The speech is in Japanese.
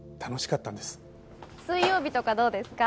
水曜日とかどうですか？